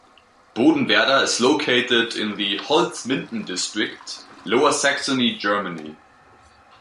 Bodenwerder is located in the Holzminden district, Lower Saxony, Germany.